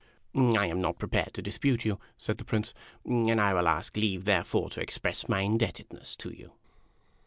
" I am not prepared to dispute you," said the Prince, "and I will ask leave therefore to express my indebtedness to you."